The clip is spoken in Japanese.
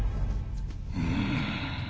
うん。